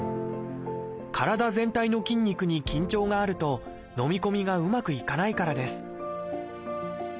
体全体の筋肉に緊張があるとのみ込みがうまくいかないからです